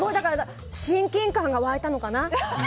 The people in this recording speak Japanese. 親近感が沸いたのかな。